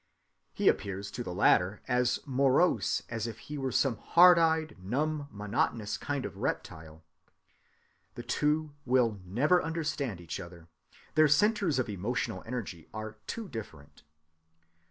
He appears to the latter as morose as if he were some hard‐eyed, numb, monotonous kind of reptile. The two will never understand each other—their centres of emotional energy are too different.